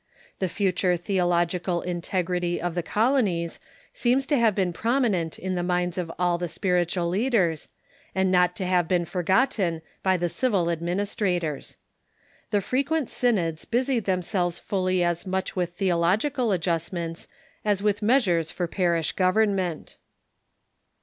The future theological integ rity of the colonies seems to have been prominent in the minds of all the spiritual leaders, and not to have been forgotten by the civil administrators. The frequent synods busied them selves fully as much with theological adjustments as with measures for parish government.